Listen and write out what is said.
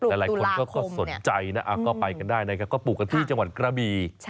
ปลูกตุลาคมเนี่ยอ่ะก็ไปกันได้นะครับก็ปลูกกันที่จังหวัดกระบี